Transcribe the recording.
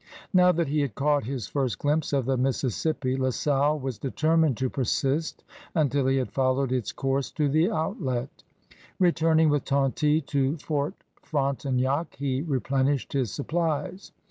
'' Now that he had caught his first glimpse of the Mississippi, La Salle was determined to persist until he had followed its course to the outlet. Returning with Tonty to Fort Frontenac, he replenished his supplies.